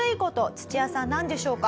土屋さんなんでしょうか？